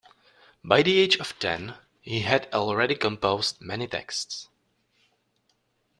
By the age of ten he had already composed many texts.